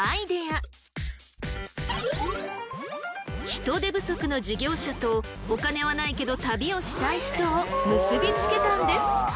人手不足の事業者とお金はないけど旅をしたい人を結び付けたんです。